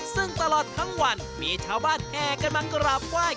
ซึ่งตลอดทั้งวันมีชาวบ้านแห่กันมากราบไหว้